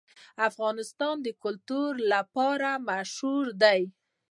افغانستان د کلتور لپاره مشهور دی.